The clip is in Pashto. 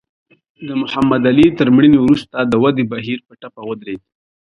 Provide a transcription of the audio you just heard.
د محمد علي تر مړینې وروسته د ودې بهیر په ټپه ودرېد.